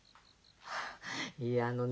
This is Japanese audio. いえあのね